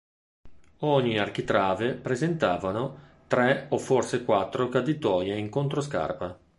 Ogni architrave presentavano tre o forse quattro caditoie in controscarpa.